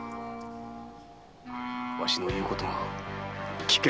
わしの言うことが聞けんのか？